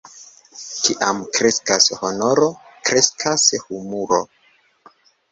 Kiam kreskas honoro, kreskas humoro.